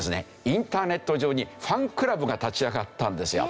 インターネット上にファンクラブが立ち上がったんですよ。